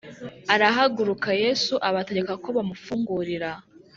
arahaguruka Yesu abategeka ko bamufungurira